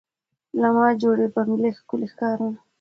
له ما جوړي بنګلې ښکلي ښارونه